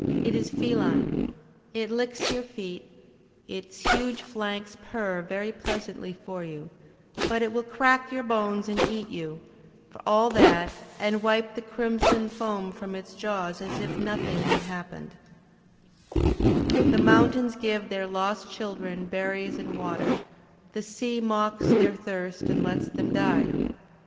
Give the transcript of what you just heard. It is feline. It licks your feet; its huge flanks purr very pleasantly for you; but it will crack your bones and eat you, for all that, and wipe the crimsoned foam from its jaws as if nothing had happened Digitized by Google HOLMES 167 The mountains give their lost children berries and water; the sea mocks their thirst and lets them die.